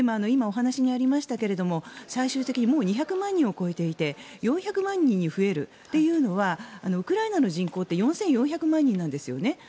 今、お話にもありましたが最終的に２００万人を超えていて４００万人に増えるというのはウクライナの人口って４４００万人なんですよね。